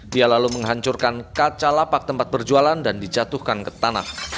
dia lalu menghancurkan kaca lapak tempat berjualan dan dijatuhkan ke tanah